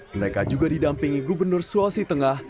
mereka juga didampingi gubernur sulawesi tengah